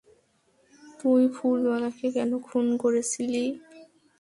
তুই ফুলওয়াকে কেন খুন করেছিলি?